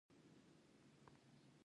کلسیم د بدن د کومې برخې لپاره ګټور دی